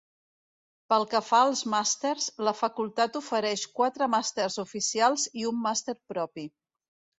Pel que fa als màsters, la Facultat ofereix quatre màsters oficials i un màster propi.